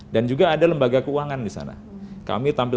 dan juga ada lembaga keuangan di sana